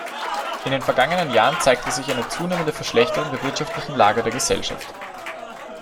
In den vergangenen Jahren zeigte sich eine zunehmende Verschlechterung der wirtschaftlichen Lage der Gesellschaft.